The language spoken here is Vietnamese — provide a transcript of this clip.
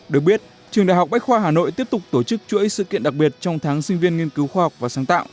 được biết trường đại học bách khoa hà nội tiếp tục tổ chức chuỗi sự kiện đặc biệt trong tháng sinh viên nghiên cứu khoa học và sáng tạo